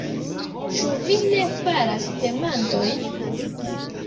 Ĉu vi ne faras demandojn?